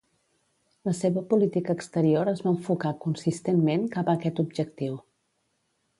La seva política exterior es va enfocar consistentment cap a aquest objectiu.